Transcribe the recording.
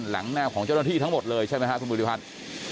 แนวของเจ้าหน้าที่ทั้งหมดเลยใช่ไหมครับคุณภูริพัฒน์